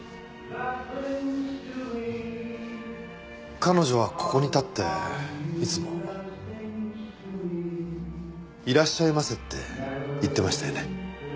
彼女はここに立っていつも「いらっしゃいませ」って言ってましたよね。